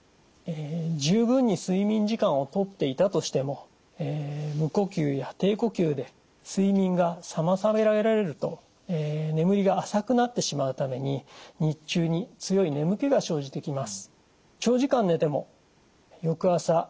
十分に睡眠時間をとっていたとしても無呼吸や低呼吸で睡眠が妨げられると眠りが浅くなってしまうために日中に強い眠気が生じてきます。